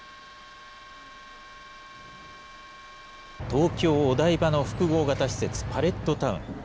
東京・お台場の複合型施設、パレットタウン。